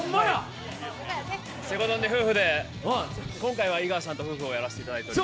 「西郷どん」で夫婦で、今回は井川さんと夫婦をやらせていただいています。